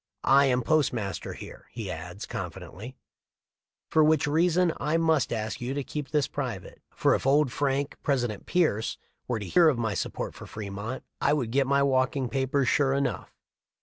I am postmaster here," he adds, confidentially, "for which reason I must ask you to keep this private, for if old Frank (President Pierce) were to hear of my support of Fremont I would get my walking papers sure enough."